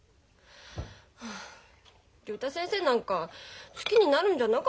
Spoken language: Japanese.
はあ竜太先生なんか好きになるんじゃなかった。